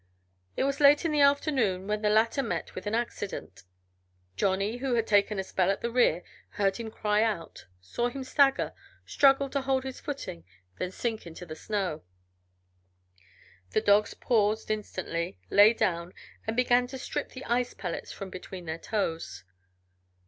It was late in the afternoon when the latter met with an accident. Johnny, who had taken a spell at the rear, heard him cry out, saw him stagger, struggle to hold his footing, then sink into the snow. The dogs paused instantly, lay down, and began to strip the ice pellets from between their toes.